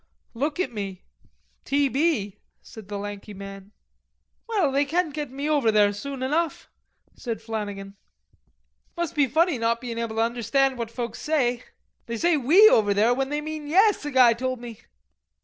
"Look at me... t. b.," said the lanky man. "Well, they can't get me over there soon enough," said Flannagan. "Must be funny not bein' able to understand what folks say. They say 'we' over there when they mean 'yes,' a guy told me."